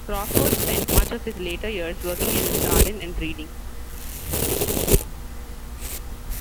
Crawford spent much of his later years working in his garden and reading.